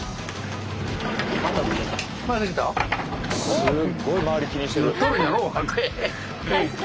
すっごい周り気にしてる。